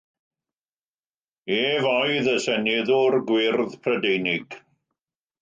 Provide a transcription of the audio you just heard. Ef oedd y seneddwr Gwyrdd Prydeinig.